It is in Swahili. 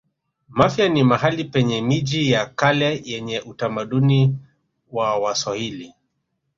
mafia ni mahali penye miji ya kale yenye utamaduni wa waswahili